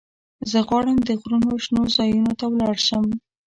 زه غواړم د غرونو شنو ځايونو ته ولاړ شم.